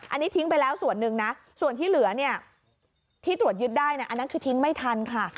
อันนี้ทิ้งไปแล้วส่วนหนึ่งนะส่วนที่เหลือเนี่ยที่ตรวจยึดได้อันนั้นคือทิ้งไม่ทันค่ะ